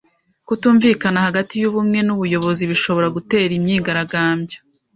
Kutumvikana hagati y’ubumwe n’ubuyobozi bishobora gutera imyigaragambyo.